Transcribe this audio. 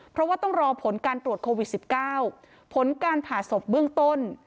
เพราะว่าต้องรอผลการตรวจโควิด๑๙ผลการผ่าศพเบื้องต้น